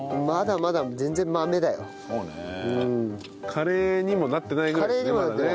カレーにもなってないぐらいですねまだね。